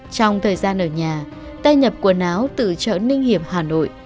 trong thời gian ở nhà ta nhập quần áo từ chợ ninh hiệp hà nội